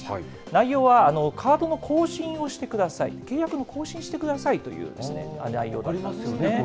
内容は、カードの更新をしてください、契約の更新してくださいという内容だったんですよね。